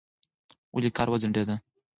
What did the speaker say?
ولې کار وځنډېد؟